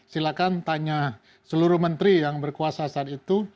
silahkan tanya seluruh menteri yang berkuasa saat itu